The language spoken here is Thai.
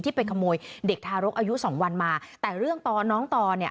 ไปขโมยเด็กทารกอายุสองวันมาแต่เรื่องตอนน้องต่อเนี่ย